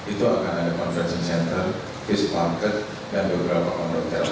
itu akan ada konversi center fish market dan beberapa konverter